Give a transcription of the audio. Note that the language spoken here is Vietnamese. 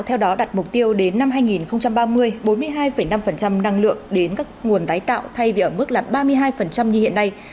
theo đó đặt mục tiêu đến năm hai nghìn ba mươi bốn mươi hai năm năng lượng đến các nguồn tái tạo thay vì ở mức ba mươi hai như hiện nay